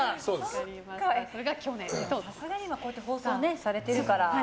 さすがにこうやって今、放送されているからね。